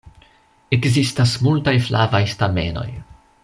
Ekzistas multaj flavaj stamenoj.